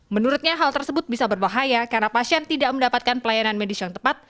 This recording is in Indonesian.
menurutnya hal tersebut bisa berbahaya karena pasien tidak mendapatkan pelayanan medis yang tepat